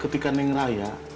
ketika neng raya